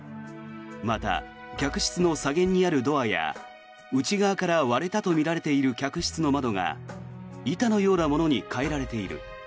また、客室の左舷にあるドアや内側から割れたとみられている客室の窓が板のようなものに換えられている。